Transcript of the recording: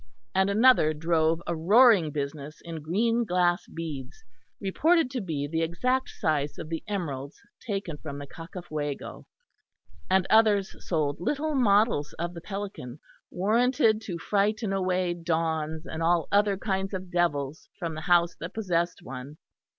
And another drove a roaring business in green glass beads, reported to be the exact size of the emeralds taken from the Cacafuego; and others sold little models of the Pelican, warranted to frighten away Dons and all other kinds of devils from the house that possessed one.